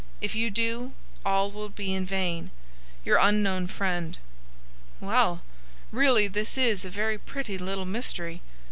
If you do, all will be in vain. Your unknown friend.' Well, really, this is a very pretty little mystery.